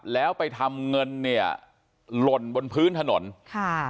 แล้วไปทำเงินเนี่ยหล่นบนพื้นถนนค่ะ